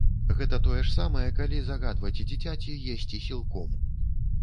Гэта тое ж самае, калі загадваць дзіцяці есці сілком.